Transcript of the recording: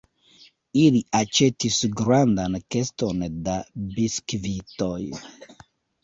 Ili aĉetis grandan keston da biskvitoj.